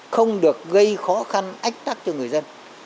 không được gây khó khăn ách tắc cho người dân